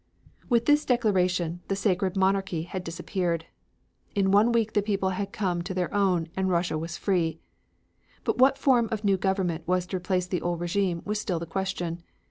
With this declaration the sacred monarchy had disappeared. In one week the people had come to their own and Russia was free. But what form of new government was to replace the old regime was still the question.